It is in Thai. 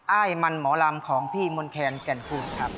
แอ้อีมันหมอลำของพี่มนท์แคนแก่นพุสครับ